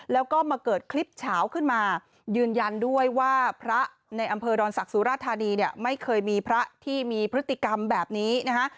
แล้วก็มาเกิดคลิปเฉาขึ้นมายืนยันด้วยว่าพระในอำเภอดอนศักดิ์สุราธานีเนี่ยไม่เคยมีพระที่มีพฤติกรรมแบบนี้นะฮะ